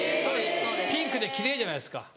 ピンクで奇麗じゃないですか。